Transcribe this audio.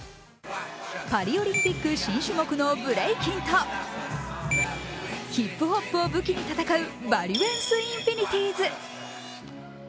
パリオリンピック新種目のブレイキンとヒップホップを武器に戦うバリュエンス・インフィニティーズ